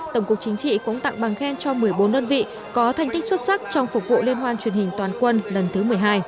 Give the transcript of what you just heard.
tổng cục chính trị cũng tặng bằng khen cho một mươi bốn đơn vị có thành tích xuất sắc trong phục vụ liên hoan truyền hình toàn quân lần thứ một mươi hai